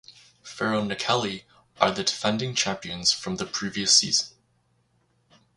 Feronikeli are the defending champions from the previous season.